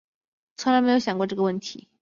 从来没有想过这个问题